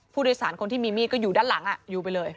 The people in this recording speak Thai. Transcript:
ผู้โดยสารคนที่มีมีดก็อยู่ด้านหลังอยู่ไปเลย